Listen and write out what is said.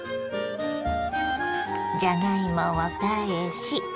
じゃがいもを返し